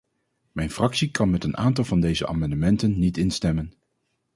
Mijn fractie kan met een aantal van deze amendementen niet instemmen.